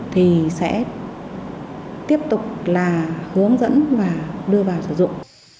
thì sẽ tiếp tục là hướng dẫn và đưa vào sử dụng